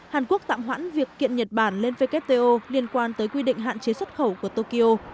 hàn quốc tạm hoãn việc kiện nhật bản lên wto liên quan tới quy định hạn chế xuất khẩu của tokyo